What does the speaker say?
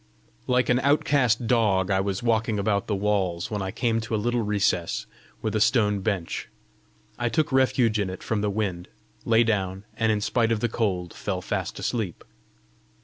Like an outcast dog I was walking about the walls, when I came to a little recess with a stone bench: I took refuge in it from the wind, lay down, and in spite of the cold fell fast asleep.